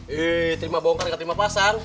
ih terima bongkar gak terima pasang